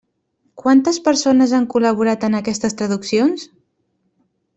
Quantes persones han col·laborat en aquestes traduccions?